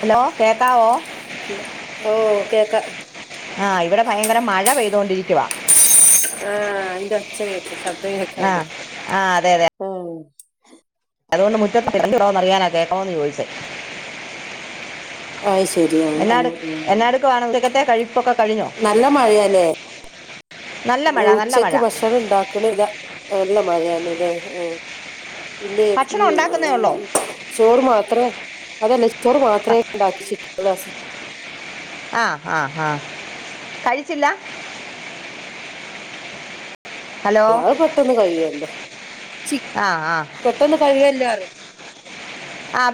Hello കേക്കാവോ ഓ കേക്കാ ആ ഇവടെ ഭയങ്കര മഴ പെയ്തോണ്ടിരിക്കുവാ ആ അയിന്റെ ഒച്ച കേക്കും ശബ്ദം ആ കേക്കാണ്ട് ആ അതെ അതെ ഉം അതുകൊണ്ട് മുറ്റത്ത് തിരച്ചടന്ന് അറിയാനാ കേക്കണന്ന് ചോദിച്ചേ അത് ശരി [unintelligible] ആഹ് എന്നട് ആഹ് ആഹ് എന്നഎടുക്കുവാണ് ക നല്ല മഴയാല്ലേ നല്ല മഴ നല്ല മഴ ഉച്ചക്ക് ഭക്ഷണം ഉണ്ടാക്കണില്ലഅ നല്ല മഴയാന്നണ് ഇല്ലേ ആ പിന്നെ ഉം ഭക്ഷണം ഉണ്ടാക്കുന്നേ ഉം ഉള്ളോ ചോറ് മാത്രേ അതല്ല ചോറ് മാത്രമേ ഉണ്ടാക്കിച്ചിട്ടുള്ളൂ അസ ആഹ് ആഹ് ആഹ് കഴിച്ചില്ല ഹലോ അത് പെട്ടന്ന് കഴിയല്ലോ ച്ചി ആ ആ പെട്ടന്ന് കഴിയുള്ളൊന്ന്പറഞ്ഞറ ആ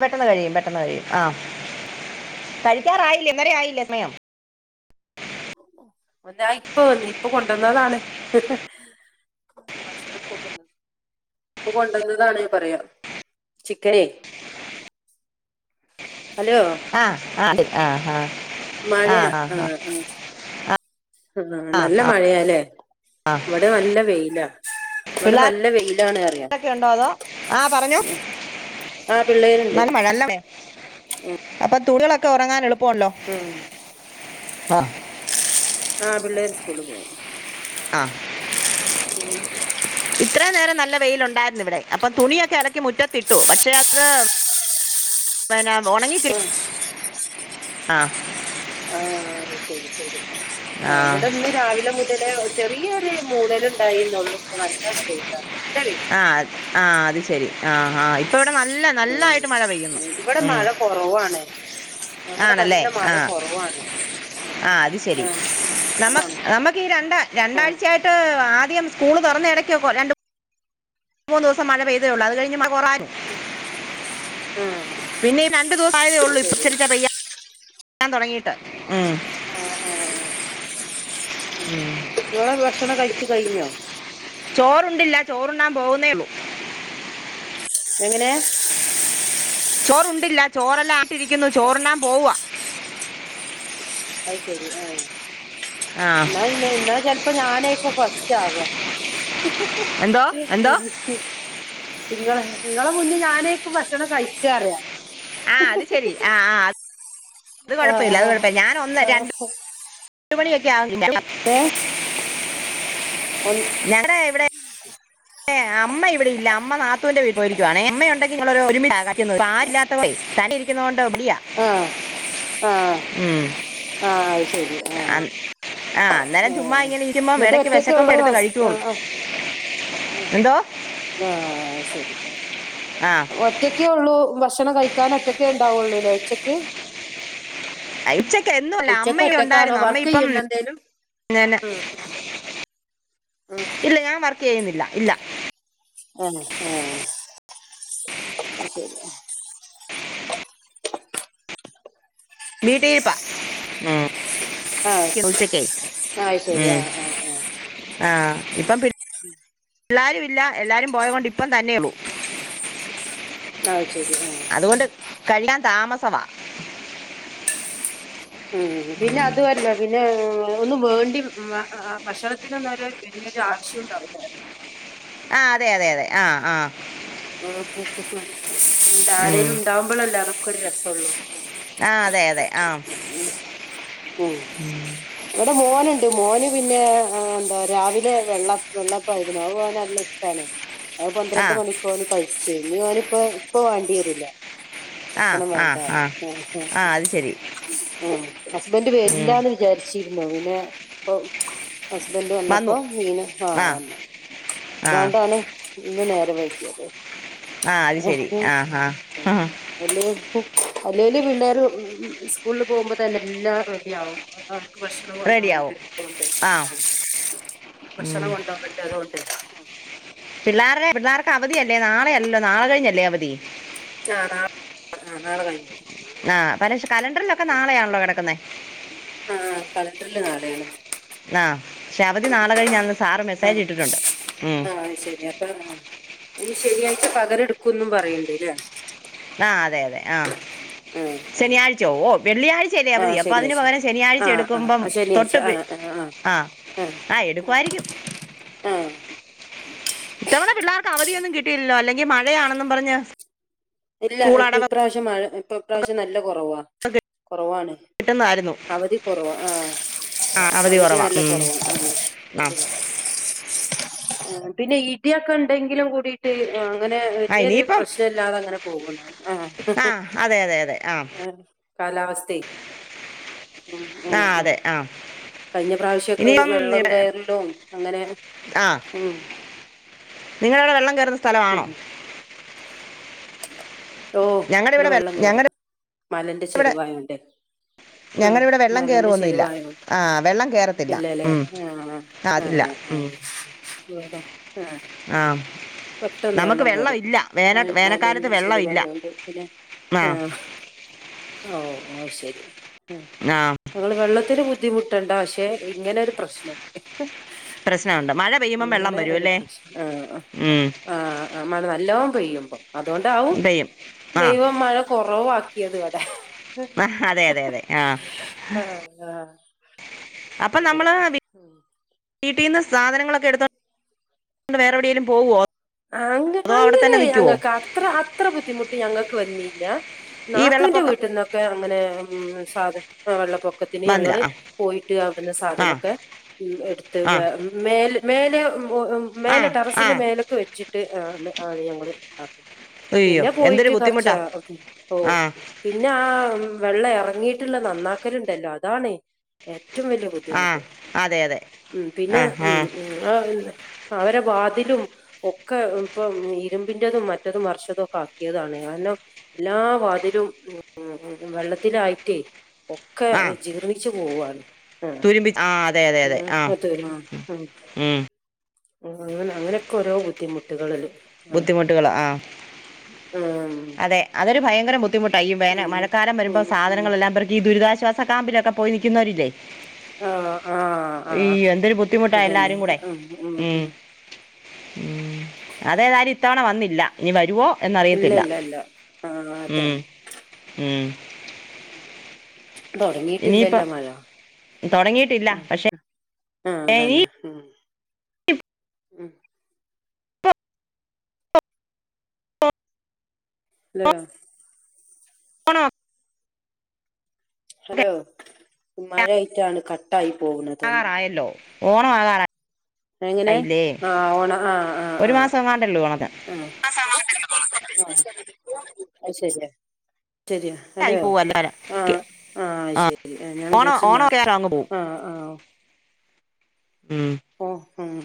പെട്ടെന്ന് കഴിയും പെട്ടെന്ന് കഴിയും ആ കഴിക്കാറായില്ലേ ഒന്നര ആയില്ലേ സമയം ഒന്നആയി ഇപ്പൊ വന്ന് ഇപ്പൊ കൊണ്ടുവന്നതാണ് ആ ഭക്ഷണം പോകുന്നത് ഇപ്പൊ കൊണ്ടുവന്നതാണ് പറയാ ചിക്കനേ ആഹ ആ ആഹ് ആഹ മഴയാ ആഹ് ആഹ് ആഹ ഹ ഹാ ആ ആ നല്ല ആ മഴയല്ലേ ആ ഇവിടെ നല്ല വെയിലാ ഇവിടെ പിള്ളേർ നല്ല വെയിലാണ് പറിയ ഒക്കെ ഉണ്ടോ അതോ ആ പറഞ്ഞോ ഉം ആ പിള്ളേരുണ്ട് നല്ല മഴ അല്ലേ അപ്പൊ തുണികളൊക്കെ ഉറങ്ങാൻ എളുപ്പല്ലോ ഉം ആ ആ പിള്ളേർ സ്കൂള് പോയി ആ ഉം ഇത്രയും നേരം നല്ല വെയില ഉണ്ടായിരുന്നു ഇവിടെ അപ്പം തുണിയൊക്കെ ഇലക്കി മുറ്റത്തിട്ടു പക്ഷെ അത് ഇ നാ ഉണങ്ങിക്ക [unintelligible] ആ ആ ശരി ശരി ആ ഇവിടെ ഒന്ന് രാവിലെ മുതല് ചെറിയരു മൂടലും ഇന്നൊന്ന് സുട്ട [unintelligible] ആ ആഹ് അത് ശരി ആഹ് ആഹ് ഇപ്പ ഇവിടെ നല്ല ഉം നല്ലായിട്ട് മഴ പെയ്യുന്നു ഉം മഴ ഇവിടെ കുറവാണ് നമ്മടെ ആണല്ലേ നല്ല മഴ ആ കുറവാണ് ആ അത് ആ ശെരി ആ ആ നമ്മ കുറവാണ് നമക്ക് ഈ രണ്ട ആ രണ്ടാഴ്ചയായിട്ട് ആദ്യം സ്കൂള് തുറന്ന ഇടയ്ക്കോക്കെ രണ്ട് മൂന്ന് മൂന്ന് ദിവസം മഴ പെയ്തേള്ളു അത് കഴിഞ്ഞ് മഴ കൊറായി ആ പിന്നെ ഈ രണ്ടു ദിവസം ആയതേ ഉള്ളൂ ശരി ആ ഇചരിച്ചാ പയ്യാൻ തുടങ്ങീട്ട് ഉം ആ ആ ആ ഉം ഇങ്ങടെ ഭക്ഷണം കഴിച്ചിട്ട് കഴിഞ്ഞോ ചോറുണ്ടില്ല ചോറുണ്ണാൻ പോകുന്നേള്ളൂ എങ്ങനെ ചോറുണ്ടില്ല ചോറല്ലാം ആക്കിരിക്കുന്നു ചോറുണ്ണാൻ പോവ അയ്ശരി ആഹ ആ എന്നാൽ എന്നാൽ ചിലപ്പോ ഞാനായിക്കും ഫസ്റ്റ് ആവ എന്തോ ഹ ഹ എന്തോ ഹ ഇങ്ങള നിങ്ങളെ മുന്നേ ഞാനേക്ക് ഭക്ഷണം കഴിക്കാറിയാ ആ അത് ശരി ആ ആ അത് കൊഴപ്പമില്ല അത് കൊഴപ്പഇല്ല ഞാൻ ആഹ് ഹാ പത്തുമണിയക്ക ആവും തിന്നാൻ ഒന്ന്- ഞങ്ങടെ ഇവിടെ ഏ അമ്മ ഇവിടെ ഇല്ല അമ്മ നാത്തൂവിന്റെ വീട്ടീ പോയിരിക്കുവവാണേ അമ്മയ ഉണ്ടെങ്കിൽ ഞങ്ങൾ ഒരുമിചാ കഴിക്കുന്നേ ഇപ്പൊ ആരും ല്ലാത്തകൊണ്ടേ തന്നിഇരിക്കുന്നൊണ്ട് മടിയാ ആ ആ ആ ശരി ആ അന്നേരം ആ ചുമ്മാ ഇങ്ങനെ ഇരിക്കുമ്പം എന്നിട്ട് ഇടയ്ക്ക് ഒറ്റയൊക്കെ വിശക്കുമ്പോ ഉള്ളൂ എടുത്ത് ഹസ് അ കഴിക്കുള്ളൂ അ എന്തോ ആ ആ ശരി ആ ഒറ്റക്കേ ഉള്ളൂ ഭക്ഷ ഭക്ഷണം കഴിക്കാനൻ ഒറ്റൊക്കെ ഉണ്ടാവുള്ളൂല്ലേ ഉച്ചക്ക് ഇച്ചക്ക എന്നുംല്ല ഉച്ചക്ക് അമ്മ ഒറ്റക്കാണോ ഉണ്ടായിരുന്നു അമ്മ വർക്ക് ഇപ്പം ചെയ്യണ്ട എന്തേലും ഞാന് ഉം, ഉം, ഉം. ഇല്ല ഞാൻ വർക്ക് ചെയ്യുന്നില്ല ഇല്ല ആഹ ആ അ വീട്ടൽപ്പാ ആ ഉച്ചക്കെ ആ ശരി ആ ഉം ആ ആ ആ ഇപ്പം പി എല്ലാരും ഇല്ല എല്ലാരും പോയ കൊണ്ട് ഇപ്പം തന്നെള്ളൂ. ആ ശരി ആ അതുകൊണ്ട് കഴിയാൻ താമസവാ ഉം പിന്നെ അതുമല്ല പിന്നെ ഒന്നന്ന് വേണ്ടി ഭക്ഷണത്തിനൊന്നരു വല്യൊരു ആവശ്യം ഇണ്ടാവുല്ല ആ അതെ അതെ അതെ ആ ആ ഉം. ആരേലും ഉണ്ടാവകുമ്പോഴല്ല അതൊക്കെ ഒരു രസംള്ളൂ ആ അതെ അതെ ആഹ [inaudible] ഉഉം എവിടെ മോന മോന് പിന്നെ എന്താ രാവിലെ വെള്ള വെള്ളപ്പയിരുന്നു അത് ഓന് നല്ല ഇഷ്ട്ടാണ്. ആ പന്ത്രണ്ട് മണിക്ക ഓന് കഴിച്ചേ ഇനി ഓനിപ്പോ ഇപ്പ വേണ്ടി വരുല്ല ആ ഭക്ഷണം ആ വേണ്ട ആ ആ അത് ശരി ഉം ഹസ്ബന്ഡ് ഉം. വരില്ലാന്ന് വിചാരിച്ചിരുന്നു പിന്നെ ഇപ്പൊ ഹസ്ബൻഡ് വന്നപ്പോ വന്നു മീന് ആ വന്നു ആ അതുകൊണ്ടാണ് ഇന്ന് നേ ആ അത് ശരി [unintelligible] ആ ആ ഇല്ല അല്ലേല് പിള്ളേരും സ്കൂളിൽ പോകുമ്പോ തന്നെ എല്ലാം റെഡി ആവും. ഭക്ഷണം റെഡിയാവും കൊണ്ടോവേണ്ടത്കൊണ്ട് ആ ഭക്ഷണം ഉം. കൊണ്ടേവേണ്ട പിള്ളേരുടെ പിള്ളേർക്ക് അവധിയല്ലേ നാളെയല്ലോ നാളെ കഴിഞ്ഞല്ലേ അവധി. ആ നാളെ ആ നാളെ കഴിഞ്ഞേ ആ പല കലണ്ടറിലൊക്കെ നാളെയാണല്ലോ കിടക്കുന്നേ ആ കലണ്ടർല് നാളെയാണ് ആഹ പക്ഷെ അവധി നാളെ കഴിന്നാന്ന് സാറ് മെസ്സേജ് ആ ഇട്ടിട്ടുണ്ട് ഉം. ആഹ് അത് ശരി അപ്പൊ ആഹ് ഇനി ശനിയായ്ച്ച പകരെടുക്കുംന്നും പറയണ്ട് ല്ലേ ആഹ അതെ അതെ ആഹ ആഹ് ആഹ് ശനിയാഴ്ച്ചോ വെള്ളിയാഴ്ചയല്ലേ അവധി ആഹ് അപ്പൊ അതിന് ശനിയാഴ്ച പകരം ശനിയാഴ്ച ആഹ് എടുക്കുമ്പം ആഹ് ശനിയാഴ്ച തൊട്ട് ആഹ് ആഹ് ആ ആ എടുക്കുവായിരിക്കും. ആഹ ഇത്തവണ പിള്ളേർക്ക് അവധിയൊന്നും കിട്ടില്ലോ അല്ലെങ്കിൽ മഴയാണെന്നും പറഞ്ഞ് ഇല്ല സ്കൂൾ ഇപ്പ അടവൊക്കെ ഇപ്രാവശ്യം മഴ ഇപ്പൊ ഇപ്രാവശ്യം നല്ല കൊറവാ കുറവാണ് കിട്ടുന്നതായിരുന്നു അവധി കുറവാ ആ ആ അവധി അവര് കുറവാ നല്ല ഉം. കൊറവു ആ [inaudible] ആ പിന്നെ ഇടിയൊക്കെ ഇ ണ്ടെങ്കിലും ആ ഇനിയിപ്പം ആ ആ അതെ അതെ അതെ ആ കാലാവസ്ഥ ഉം എ ആ എ അതെ ആ കഴിഞ്ഞ പ്രാവശ്യൊക്കെ ഇനിയിപ്പം വെള്ളം ഇവിടെ- കയറലും അങ്ങനെ ഉം നിങ്ങള അവിടെ വെള്ളം കേറുന്ന സ്ഥലമാണോ ഉം ഓ ഞങ്ങളുടെ ഇവിടെ വെ- വെള്ളം കേറും ഞങ്ങളുടെ മലന്റെ ചെരിവായോണ്ട് [inaudible] ഞങ്ങളിവിടെ വെള്ളം കേറൊന്നുമി ല്ല ആ വെള്ളം കയറത്തില്ല ഇല്ലല്ലേ ഉ ആ അതില്ല ഉം അതെ ആഹ ആ പെട്ടെന്ന് നമുക്ക് വെള്ളം കേറും ഇല്ല വേന മ വേനൽക്കാലത്ത് മലന്റെ വെള്ളം ഇല്ല ചരിവായോണ്ട് പിന്നെ ആ ഓ ഓ ശരി ഉം ആ ഇങ്ങൾ വെള്ളത്തിന് ബു ബുദ്ധിമുട്ടണ്ട പക്ഷെ ഇങ്ങനൊ ഒരു പ്രശ്നം ഇണ്ട് പ്രശ്ന ഉണ്ട് മഴ പെയ്യുമ്പം വെള്ളം വരും അല്ലേ ഉം ആ ആ മഴ നല്ലോണം പെയ്യുമ്പോ അതുകൊണ്ടാവും പെയ്യും ആ ദൈവം മഴ കൊറവാക്കിയത് ഇവടെ ആ അതെ അതെ അതെ ആ എങ്ങനെ മു വീട്ടീന്ന് സാധനങ്ങളൊക്കെ എടുത്തണ്ട് വേറെ എവിടെലും പോവോ അ അങ്ങനെ ഞങ്ങൾക്ക് അത്ര അത്ര ബുദ്ധിമുട്ട് ഞങ്ങൾക്ക് വന്നില്ല ഈ നാത്തുവിന്റെ വെള്ളപ്പൊക്കം വീട്ടിൽ നിന്നൊക്കെ അങ്ങനെ ഉം സാധ അ വെള്ളം പൊക്കത്തിന് ഞങ്ങൾ വന്നില്ല പോയിട്ട് അവിടുന്ന ആ സാധനക്കെ ആ ഉം എടുത്ത് വെ മേൽ മേലെ ഉം ഓ ആ ആ മേലെ ആ ടെറസിന്റെ മേലൊക്കെ വെച്ചിട്ട് ആണ് ഞങ്ങള് ഉണ്ടാക്കല്ല് അയ്യോ പിന്നെ എന്തൊരു പോയിട്ട് ബുദ്ധിമുട്ടാ കർച്ചറക്കി ഓ ആ പിന്ന വെള്ളം ഇറങ്ങിയിട്ടുള്ള നന്നാക്കലുണ്ടല്ലോ അതാണേ ഏറ്റവും ഏറ്റവും വലിയ ആ ബുദ്ധിമുട്ട് അതെ അതെ ഉം ആ പിന്നെ ആ ഉം ഒന്നുല്ല അവരെ വാതിലും ഒക്കെ ഇപ്പം ഇരുമ്പിൻന്റെതും മറ്റതും മറിച്ചതും ഒക്കെ ആക്കിയതാണ് കാരണം എല്ലാ വാതിലും വെള്ളത്തിലായിട്ടേ ഒക്കെ ആ ജീർണിച്ചു പോവാണ് ആ തുരുമ്പി ആ അതെ അതെ അതെ ആ മുത്തചേര്മ്മം ഉം ഉം, അങ്ങനെ അങ്ങനെക്കെ ഓരോ ബുദ്ധിമുട്ടുകളല്ലേ ബുദ്ധിമുട്ടുകൾ ആ ഉം അതെ അതൊരു ഭയങ്കരബു ബുദ്ധിമുട്ടാ ഇ വേന ഉം മഴക്കാലം വരുമ്പോ ഉം ഉം സാധനങ്ങളെല്ലാ പെർക്കി ദുരിതാശ്വാസ കാമ്പിലൊകെ പോയിൽക്കുന്നവരില്ലേ ആനൊ ആ ഈ എന്തൊരു ബുദ്ധിമുട്ടാ എല്ലാരും കൂടെ ഉം ഉം അത് ഏതായാലും ഇത്തവണ വന്നില്ല ഇനി വരുവോ ഇല്ല എന്നറിയത്തില്ല ഇല്ല ഇല്ല ആഹ് ഉം അതന്നെ ഉം തോടങ്ങിട്ടില്ലല്ലോ ഇനിയിപ്പം മഴ തുടങ്ങിയിട്ടില്ല ഉം പക്ഷേ ഉ ആ ഇനി അതന്നെ ഉ ഉ ആലെയൊ ആണോ ഹലോ മഴായിട്ടാണ് കട്ടായി പോകണ തോന്നു ഓണ ആകറായി എങ്ങനെ ആ ഓണ ആ ഒരു ആഹ് മാസം എങ്ങാണ്ടല്ലോ ഓണത്തിന് അ സാഹചര്യം ആ അത് ശരിയാ ശരിയാ ഹലോ ആയി പോവും എല്ലാവരും ആ ആ ശരി ആ ഞാൻ ഓണം വിചാരിച്ച മ ഓണമൊക്കെ ആയിട്ട് അങ്ങ് പോവും ആ ആ [unintelligible] ഓ ഹും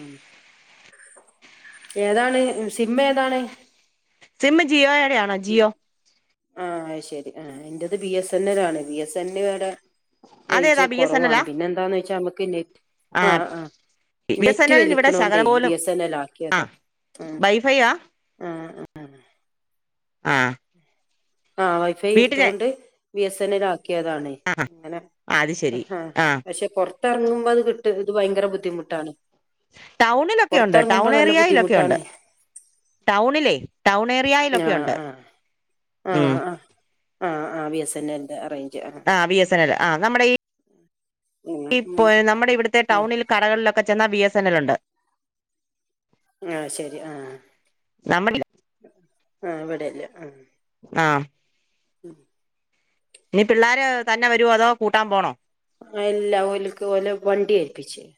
ഏതാണ് സിമ്മ് ഏതാണ് സിമ്മ് ജിയോയടെ ആണോ ജിയോ ആ ശെരി ആ എന്റെത് ബി എസ് എൻ എൽ ആണ് ബി എസ് എൻ ഇവിടെ റേഞ്ച്‌ അതേതാ ബി എസ് എൻ കുറവാണ് എല്ലാ പിന്നെ എന്താന്ന് വെച്ചാൽ നമ്മുക്ക് ആഹ് ആ ബി എസ് എൻ നെറ്റ് എല്ലിന് ഇവിടെ വലിക്കണോണ്ടേ ശകലം ബി പോലും എസ് എൻ എൽ ആ ആക്കിയതാ ആ വൈഫൈയാ ആ ആ ആ ഹാ ആ ആ വൈഫൈ വീട്ടിലെ എടുത്തുണ്ട് ബി എസ് എൻ എൽ ആക്കിയതാണേ അന ആ അത് ശരി ആ പക്ഷെ പൊർ തിറങ്ങുമ്പോ അത് കിട്ട് ഇത് ഭയങ്കര ബുദ്ധിമുട്ടാണ് ടൗണിലൊക്കെഉണ്ട് പുറത്തിറങ്ങുമ്പോ ടൗൺ നല്ല ഏരിയയിലൊക്കെ ഉണ്ട് ബുദ്ധിമുട്ടാണ് ടൗണിലേ ടൗൺ ഏറിയയിലൊക്കെ ഉണ്ട് ആ ഉം ആ ആ ആ ബി എസ് എൻ എൽൻ്റെ റെയ് ആ വി എസ് എൻ എൽ ആ നമ്മുടെ ഈ ഉം ഉം ഇപ്പോ നമ്മുടെ ഇവിടുത്തെ ഉം ടൗണിൽ കടകളിലൊക്കെ ചെന്ന ബി എസ് എൻ എൽ ഉണ്ട് ആഹ് ശരി ആഹ് നമ്മുടി ആ ഇവിടെല്ല ആ ആഹ് ഉം ഇനി പിള്ളോര് തന്നെ വരുമോ അതോ കൂട്ടാൻ പോണോ ഇല്ലാ ഓൽക്ക് ഓലെ വണ്ടി ഏൽപ്പിച് ണ്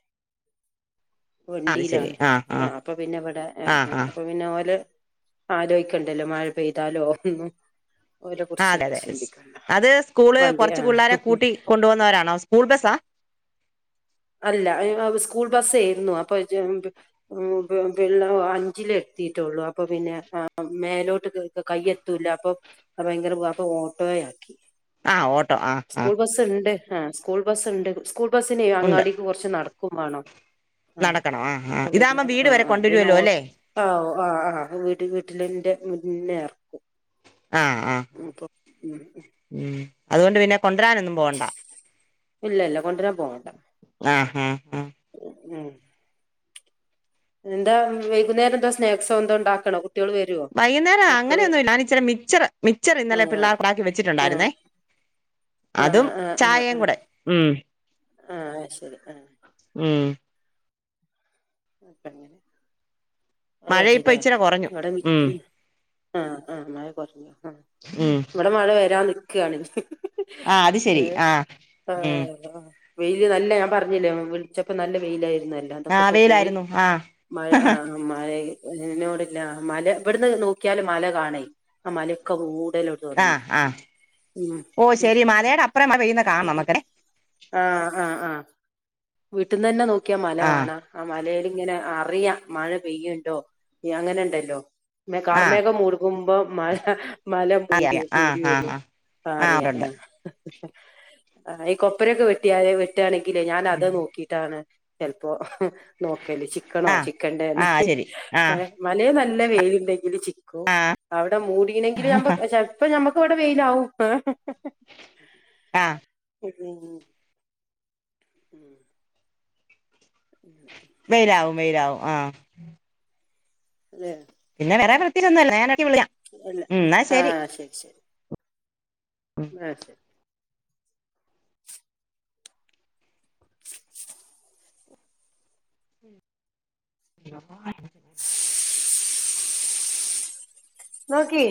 വണ്ടിയിലാണ് ആ അപ്പൊ പിന്നെവിടെ ആ ആ അപ്പൊ പിന്നെ ഓലെ ആലോയിക്കണ്ടാല്ലോ മഴ പെയ്താലോന്നും ആ അതെ അതെ അത് സ്കൂള് വണ്ടി ആ കൊറച്ച് പിള്ളാരെ കൂട്ടി കൊണ്ടു പോവ്ന്നവരാണോ സ്കൂൾ ബസ്സാ അല്ല സ്കൂൾ ബസ്സ് ഏരുന്നു അപ്പൊള്ള അഞ്ചിലെ ത്തിട്ടൊള്ളു അപ്പ പിന്നെ മേലോട്ട് കയ് എത്തൂല്ല അപ്പോ ഭയങ്കര [unintelligible] അപ്പൊ ഓട്ടോ യാക്കി ആഹ് ഓട്ടോ ആഹ് ആഹ് ആഹ് സ്കൂൾ ബസ് ഇണ്ട് സ്കൂൾ ബസ്സിനെ അങ്ങാ ഉണ്ട് നടക്കും മാണം ആ നടക്കണം ആ അപ്പ ഇതാകുമ്പോ പിന്നെ വീട് ആ വരെ ആ പിന്നെ കൊണ്ടുവരുമല്ലോ ആ ഓട്ട അല്ലേ [unintelligible] ഒരു വീട്ടിലിന്റെ മുന്നേ എർക്കും ആഹ് ആഹ് ഉം അതുകൊണ്ട് പിന്നെ കൊണ്ടരാനൊന്നും പോവണ്ട ഇല്ല ഇല്ല കൊണ്ടരാൻ പോണ്ട ആ ആ ആ ഉം എന്താ വൈകുന്നേരം എന്തോ സ്നേക്‌സൊ എന്തോ ഉണ്ടാക്കണൊ വൈകുന്നേരം അങ്ങനെയൊന്നും ഇല്ല ഞാനിച്ചിരി മിച്ചർ മിച്ചർ ഇന്നലെ ആഹ് പിള്ളേർക്കാക്കി ആഹ് വെച്ചിട്ടുണ്ടായിരുന്നേ ആഹ് അതും ആഹ് ആഹ് ചായയും ആഹ് കൂടെ ഉം ആഹ് ശരി ആഹ് ഉം അപ്പൊ അങ്ങനെ അത് മഴ ഇപ്പൊ മതില്ലേ ഇച്ചരെ കുറഞ്ഞു ഇവിടെ ഉം ആഹ് ആഹ് മഴ കുറഞ്ഞു ആ ഉം ഇവിടെ മഴ വരാൻ നിക്കാണ് ആ അത് ഏ ശെരി ആഹ് ആ ഉം വെയില് നല്ല ഞാൻ പറഞ്ഞില്ലേ [unintelligible] വിളിച്ചപ്പോ നല്ല വെയില ആയിരുന്നല്ലോ ആ അതൊക്കെ ഇപ്പോ പോ പോയി വെയിലായിരുന്നു ആ മഴ ആ മഴയി [unintelligible] മല ഇവിടുന്ന് നോക്കിയാല് മല കാണേ ആ മലൊക്കെ [unintelligible] ആഹ് ആഹ് ഓ ശരി മലയുടെ അപ്പുറം മഴ പെയ്യ്ന്ന് കാണാം നമുക്കെ ആഹ് ആഹ് ആഹ് വീട്ടിൽന്നന്നെ നോക്കിയാ മല ആ കാണാ ആ മലയിൽ ഇങ്ങനെ അറിയ മഴ പെയ്യുണ്ടോ അങ്ങനെ ഉണ്ടല്ലോ മെ ആ കാർമേഘം മൂടുമ്പോ മഴ മല അറിയാം മൂടി അറിയാം ആ മൂടി ആ വരും ആഹ് ആ ആ അറിയാ ഉണ്ട് ഉണ്ട് ആ ഈ കൊപ്പരൊക്കെ വെട്ടിയാല് വെട്ടാണെങ്കില് ഞാൻ അത് നോക്കിട്ടാണ് ചിലപ്പോ നോക്കല് ചിക്കണോ ആ ചിക്കണ്ടേ ആ ന്ന് ശരി ആ ഏ മലെ നല്ല വെയില് ഇണ്ടെങ്കിൽ ചി ക്കും ആ അവിടെ മൂടീണെങ്കില് ഞമ്മ ചെൽപ്പം ഞമ്മക്ക് ഇവിടെ വെയിലാവും ആഹ് [unintelligible] ഉം വെയിലാവും വെയിലാവും ആഹ് അല്ലെ പിന്നെ വേറെ [unintelligible] ഇല്ല ഞാനെടക്കെ വിളിക്കാം അല്ല ഉം എന്ന ശരി അ ശരി നോക്കി